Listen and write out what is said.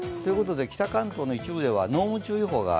北関東の一部では濃霧注意報が